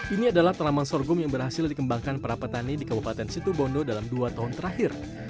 ini adalah tanaman sorghum yang berhasil dikembangkan para petani di kabupaten situbondo dalam dua tahun terakhir